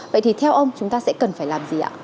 vậy thì theo ông chúng ta sẽ cần phải làm gì ạ